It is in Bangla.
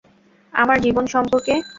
আমার জীবন সম্পর্কে।